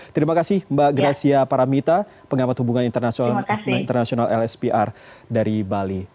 terima kasih mbak gracia paramita pengamat hubungan internasional lspr dari bali